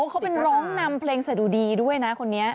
เขาเป็นร้องนำเพลงสะดุดีด้วยนะคนนี้